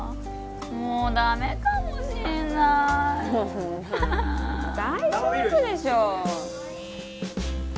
もうダメかもしんないそんな大丈夫でしょ